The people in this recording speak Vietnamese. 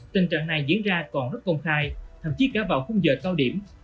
tình trạng này diễn ra còn rất công khai thậm chí cả vào khung giờ cao điểm